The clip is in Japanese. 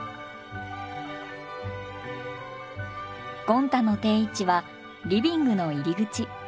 ゴン太の定位置はリビングの入り口。